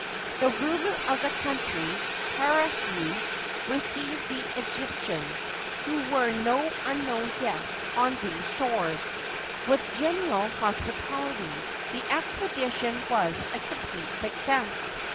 The ruler of the country, Parihu, received the Egyptians, who were no unknown guests on these shores, with genial hospitality. The expedition was a complete success.